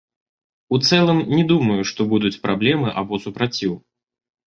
У цэлым не думаю, што будуць праблемы або супраціў.